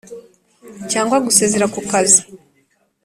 cyangwa gusezera ku kazi,